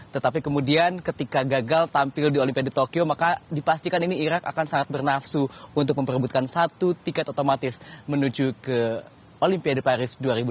tetapi kemudian ketika gagal tampil di olimpiade tokyo maka dipastikan ini irak akan sangat bernafsu untuk memperebutkan satu tiket otomatis menuju ke olimpiade paris dua ribu dua puluh